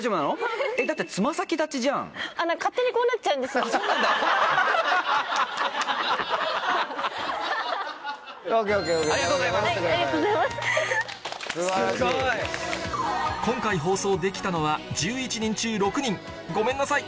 すごい！今回放送できたのは１１人中６人ごめんなさい！